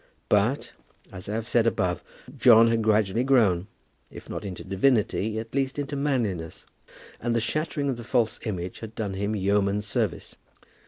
But, as I have said above, John had gradually grown, if not into divinity, at least into manliness; and the shattering of the false image had done him yeoman's service.